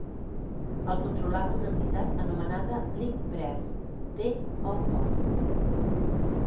El controlava una entitat anomenada Blic Press d.o.o.